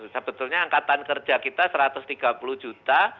sebetulnya angkatan kerja kita satu ratus tiga puluh juta